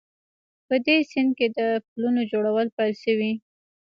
په دې سیند کې د پلونو جوړول پیل شوي